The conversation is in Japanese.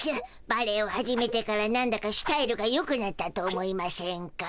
バレエを始めてからなんだかスタイルがよくなったと思いましぇんか？